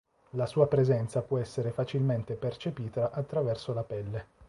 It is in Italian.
La sua presenza può essere facilmente percepita attraverso la pelle.